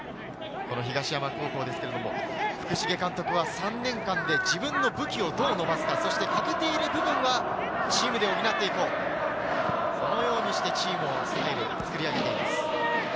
この東山高校、福重監督は３年間で自分の武器をどう伸ばすか、欠けている部分はチームで補っていこう、そのようにしてチームを作り上げています。